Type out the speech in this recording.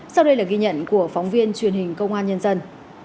sau đây là ghi nhận của phóng viên truyền hình công an nhân dân